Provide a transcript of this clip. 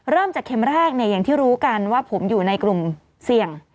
เริ่มจากเข็มแรกอย่างที่รู้กันว่าผมอยู่ในกลุ่มเสี่ยง